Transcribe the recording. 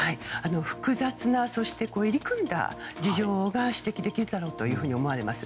複雑に入り組んだ事情が指摘できるだろうと思います。